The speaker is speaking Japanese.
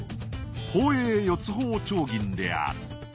宝永四ツ宝丁銀である。